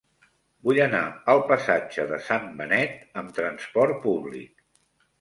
Vull anar al passatge de Sant Benet amb trasport públic.